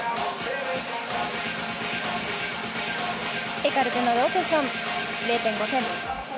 エカルテのローテーション、０．５点。